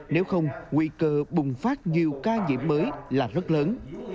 nếu không nguy cơ bùng phát nhiều ca nhiễm mới là rất lớn